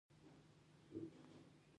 ډيپلومات د استازیتوب اصولو ته ژمن وي.